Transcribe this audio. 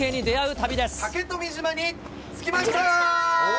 竹富島に着きました！